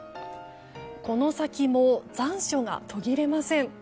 この先も、残暑が途切れません。